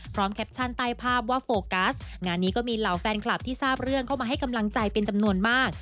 แคปชั่นใต้ภาพว่าโฟกัสงานนี้ก็มีเหล่าแฟนคลับที่ทราบเรื่องเข้ามาให้กำลังใจเป็นจำนวนมาก